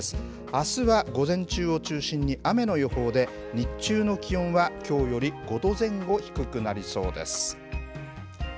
あすは午前中を中心に雨の予報で、日中の気温はきょうより５度前後低くなりそうです。